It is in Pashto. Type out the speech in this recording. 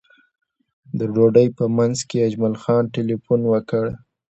د ډوډۍ په منځ کې اجمل جان تیلفون وکړ.